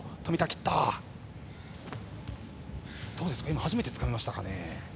今、初めて奥襟つかめましたかね？